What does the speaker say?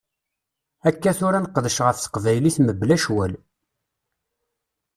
Akka tura ad neqdec ɣef teqbaylit mebla ccwal.